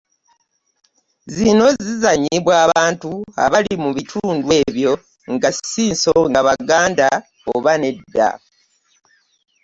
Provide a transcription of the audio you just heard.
Zino zizannyibwa abantu abali mu bitundu ebyo nga si nsonga Baganda oba nedda